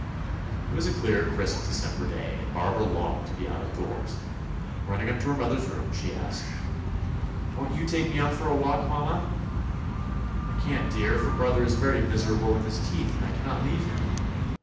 It was a clear, crisp December day, and Barbara longed to be out of doors. Running up to her mother's room, she asked : "Won't you take me out for a walk, mamma?" "I can't, dear, for brother is very miserable with his teeth, and I can not leave him.